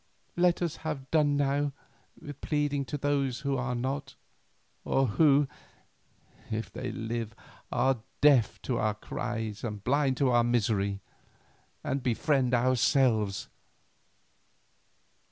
Let us have done now with pleading to those who are not, or who, if they live, are deaf to our cries and blind to our misery, and befriend ourselves.